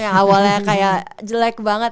yang awalnya kayak jelek banget